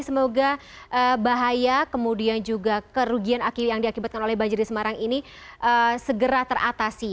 semoga bahaya kemudian juga kerugian yang diakibatkan oleh banjir di semarang ini segera teratasi